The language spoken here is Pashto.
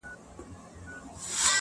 حمزه د هنري ښکلا پنځونې لپاره